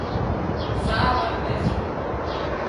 ساهَه ولوي سي